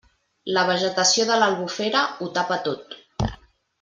La vegetació de l'Albufera ho tapa tot.